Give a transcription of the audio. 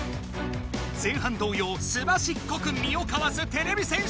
前半どうようすばしっこく身をかわすてれび戦士！